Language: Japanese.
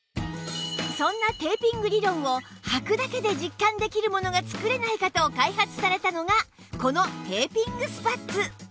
そんなテーピング理論をはくだけで実感できるものが作れないかと開発されたのがこのテーピングスパッツ